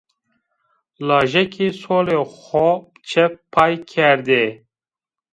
Lajekî solê xo çep pay kerdê